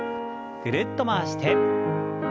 ぐるっと回して。